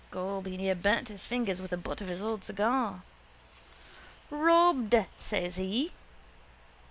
Gob, he near burnt his fingers with the butt of his old cigar. —Robbed, says he.